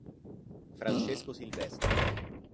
Francesco Silvestri